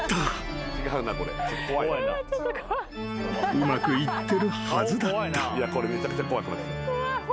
［うまくいってるはずだった］